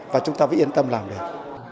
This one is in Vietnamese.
và chúng ta mới yên tâm làm được